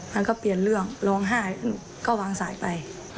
มันก็เปลี่ยนเรื่องร้องไห้ก็วางสายไป